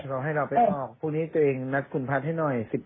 เราให้เราไปออกพรุ่งนี้ตัวเองนัดคุณพัฒน์ให้หน่อย